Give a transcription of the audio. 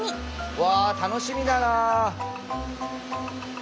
うわあ楽しみだな！